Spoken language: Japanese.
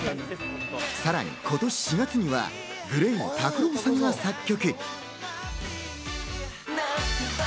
さらに今年４月にはＧＬＡＹのＴＡＫＵＲＯさんが作曲。